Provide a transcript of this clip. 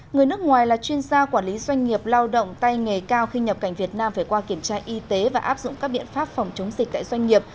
người nước ngoài là chuyên gia quản lý doanh nghiệp lao động tay nghề cao khi nhập cảnh việt nam phải qua kiểm tra y tế và áp dụng các biện pháp phòng chống dịch tại doanh nghiệp